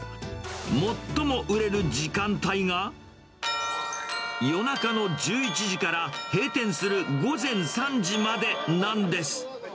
最も売れる時間帯が、夜中の１１時から、閉店する午前３時までなんです。